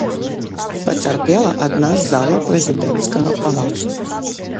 Пацярпела адна з залаў прэзідэнцкага палаца.